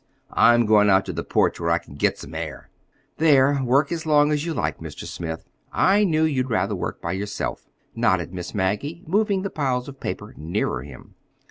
I'm going out to the porch where I can get some air." "There, work as long as you like, Mr. Smith. I knew you'd rather work by yourself," nodded Miss Maggie, moving the piles of papers nearer him.